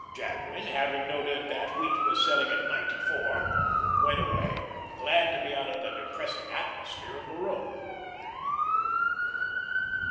Jadwin, having noted that wheat was selling at 94, went away, glad to be out of the depressing atmosphere of the room.